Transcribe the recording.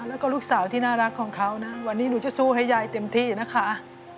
แล้วก็ลูกสาวที่น่ารักของเขานะวันนี้หนูจะสู้ให้ยายเต็มที่นะคะ